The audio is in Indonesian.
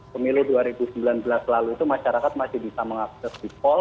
pemilu dua ribu sembilan belas lalu itu masyarakat masih bisa mengakses sipol